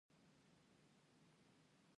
خپل ټربیون یې وټاکه